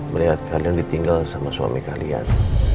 melihat kadang ditinggal sama suami kalian